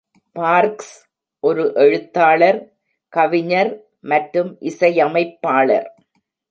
Parks ஒரு எழுத்தாளர், கவிஞர் மற்றும் இசையமைப்பாளர்.